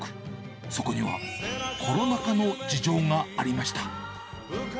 そこにはコロナ禍の事情がありました。